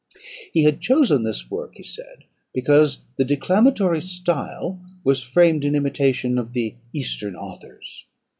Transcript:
He had chosen this work, he said, because the declamatory style was framed in imitation of the eastern authors.